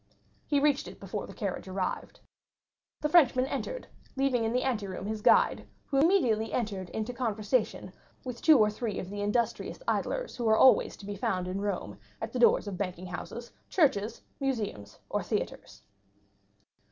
He reached it before the carriage arrived. The Frenchman entered, leaving in the anteroom his guide, who immediately entered into conversation with two or three of the industrious idlers who are always to be found in Rome at the doors of banking houses, churches, museums, or theatres.